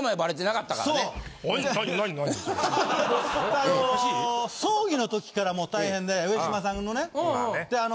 あの葬儀の時からもう大変で上島さんのね。ああまあね。